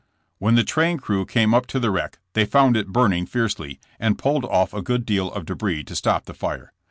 When the train crew came up to the wreck they found it burning fiercely, and pulled off a good deal of debris to stop the fire.